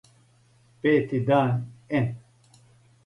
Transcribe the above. Пети дан н.